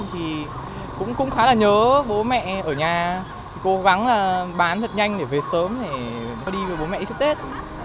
thì cũng khá là nhớ bố mẹ ở nhà cố gắng bán rất nhanh để về sớm để đi với bố mẹ đi trước tết